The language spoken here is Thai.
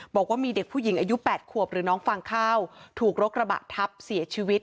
บอกว่ามีเด็กผู้หญิงอายุ๘ขวบหรือน้องฟางข้าวถูกรถกระบะทับเสียชีวิต